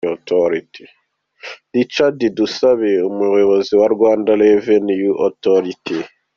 Richard Tusabe Umuyobozi wa Rwanda Revenue Authority.